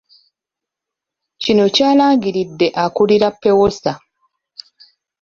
Kino kyalangiridde akulira PEWOSA